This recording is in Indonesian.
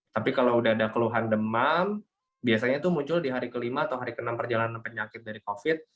tapi kalau udah ada keluhan demam biasanya itu muncul di hari kelima atau hari ke enam perjalanan penyakit dari covid